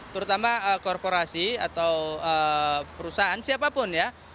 terutama korporasi atau perusahaan siapapun ya